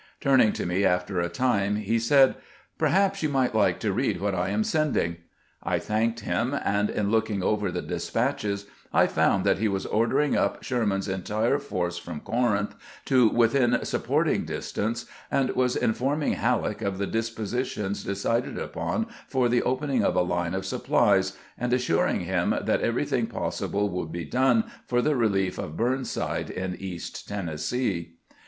Turning to me after a time, he said, " Perhaps you might like to read what I am send ing." I thanked him, and in looking over the despatches I found that he was ordering up Sherman's entire force from Corinth to within supporting distance, and was informing Halleck of the dispositions decided upon for the opening of a line of supplies, and assuring him that everything possible would be done for the relief of Burn side in east Tennessee.